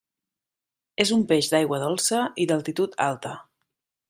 És un peix d'aigua dolça i d'altitud alta.